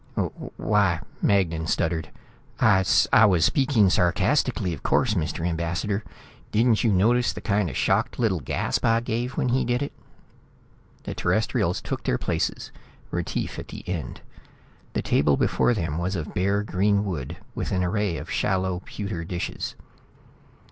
"Why," Magnan stuttered, "I was speaking sarcastically, of course, Mr. Ambassador. Didn't you notice the kind of shocked little gasp I gave when he did it?" The Terrestrials took their places, Retief at the end. The table before them was of bare green wood, with an array of shallow pewter dishes.